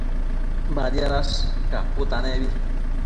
Badiadash caputanebi